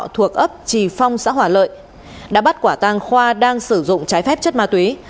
thuộc ấp trì phong xã hòa lợi đã bắt quả tang khoa đang sử dụng trái phép chất ma túy